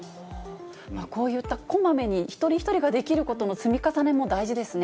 こういったこまめに、一人一人ができることの積み重ねも大事ですね。